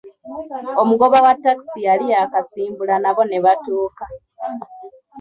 Omugoba wa takisi yali yakasimbula nabo ne batuuka.